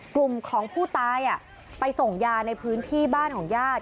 กลุ่มของผู้ตายไปส่งยาในพื้นที่บ้านของญาติ